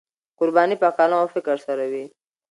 قرباني په قلم او فکر سره وي.